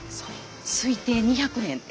推定２００年って。